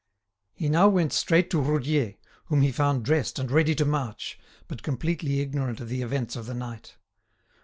He now went straight to Roudier, whom he found dressed and ready to march, but completely ignorant of the events of the night.